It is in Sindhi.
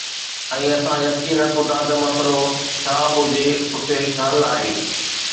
۽ اسان يقين رکون ٿا ته مسئلو ڇا به هجي، اتي هڪ حل آهي